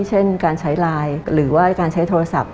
เช่นการใช้ไลน์หรือว่าการใช้โทรศัพท์